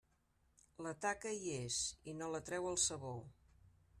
La taca hi és, i no la treu el sabó.